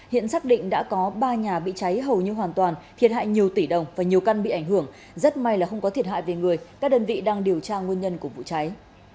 hiện xác định đã có ba nhà bị cháy hầu như hoàn toàn thiệt hại nhiều tỷ đồng và nhiều căn bị ảnh hưởng rất may là không có thiệt hại về người các đơn vị đang điều tra nguyên nhân của vụ cháy